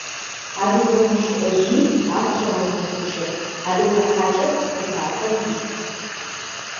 Адыгэ гущыӏэжъыми ар хегъэунэфыкӏы: «Адыгэ хьакӏэр пытапӏэ ис».